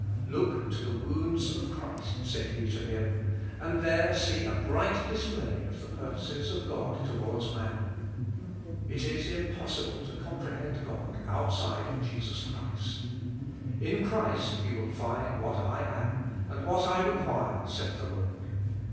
"Look to the wounds of Christ," said he to him, "and there see a bright display of the purposes of God towards man. It is impossible to comprehend God out of Jesus Christ. In Christ you will find what I am, and what I require, saith the Lord.